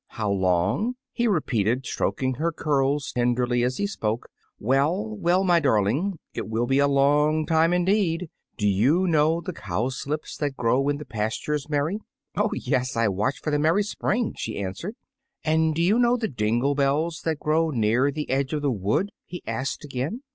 "How long?" he repeated, stroking her curls tenderly as he spoke; "well, well, my darling, it will be a long time indeed! Do you know the cowslips that grow in the pastures, Mary?" "Oh, yes; I watch for them every spring," she answered. "And do you know the dingle bells that grow near the edge of the wood?" he asked again.